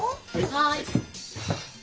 はい。